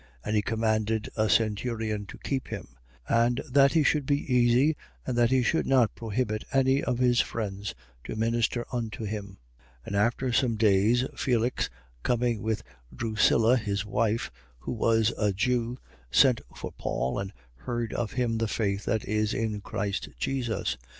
And he commanded a centurion to keep him: and that he should be easy and that he should not prohibit any of his friends to minister unto him. 24:24. And after some days, Felix, coming with Drusilla his wife, who was a Jew, sent for Paul and heard of him the faith that is in Christ Jesus.